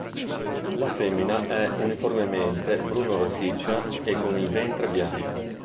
La femmina è uniformemente bruno rossiccia e con il ventre bianco.